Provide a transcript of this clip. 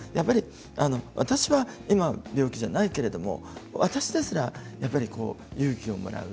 私は今、病気じゃないけれども私ですらやっぱり勇気をもらう。